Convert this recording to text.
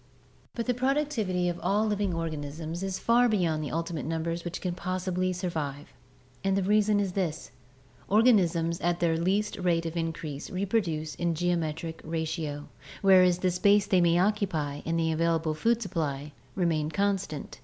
But the productivity of all living organisms is far beyond the ultimate numbers which can possibly survive, and the reason is this: organisms at their least rate of increase reproduce in geometric ratio, whereas the space they may occupy and the available food supply remain constant.